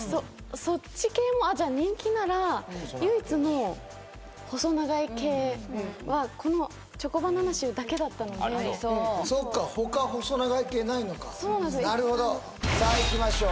そっち系も人気なら唯一の細長い系はこのチョコバナナシューだけだったのでそっか他細長い系ないのかなるほどさあいきましょう